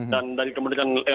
dan dari kementerian lhk